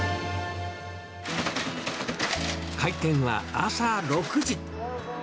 開店は朝６時。